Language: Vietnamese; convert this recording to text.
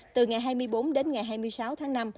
từ ngày hai mươi bốn đến ngày hai mươi sáu tháng năm